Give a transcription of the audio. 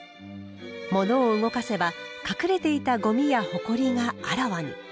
物を動かせば隠れていたゴミやほこりがあらわに。